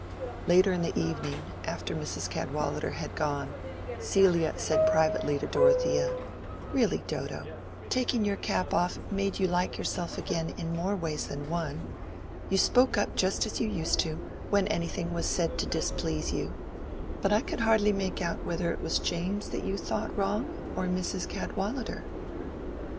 Later in the evening, after Mrs. Cadwallader was gone, Celia said privately to Dorothea, "Really, Dodo, taking your cap off made you like yourself again in more ways than one. You spoke up just as you used to do, when anything was said to displease you. But I could hardly make out whether it was James that you thought wrong, or Mrs. Cadwallader."